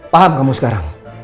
paham kamu sekarang